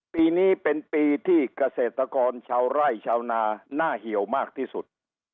ปีนี้เป็นปีที่เกษตรกรชาวไร่ชาวนาน่าเหี่ยวมากที่สุด